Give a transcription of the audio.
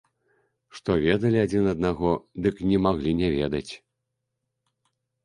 Што ведалі адзін аднаго, дык не маглі не ведаць.